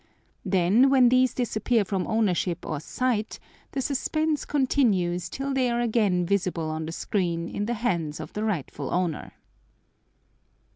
Then when these disappear from ownership or sight, the suspense continues till they are again visible on the screen in the hands of the rightful owner.